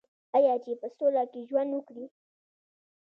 آیا چې په سوله کې ژوند وکړي؟